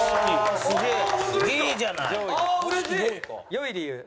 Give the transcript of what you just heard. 良い理由。